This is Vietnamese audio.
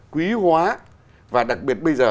quý hóa và đặc biệt bây giờ